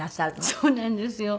そうなんですよ。